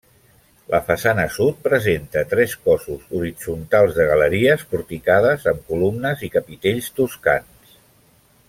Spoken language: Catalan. La façana sud presenta tres cossos horitzontals de galeries porticades, amb columnes i capitells toscans.